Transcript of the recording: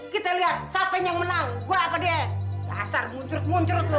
kita liat siapa yang menang gua apa deh dasar muncut muncut loh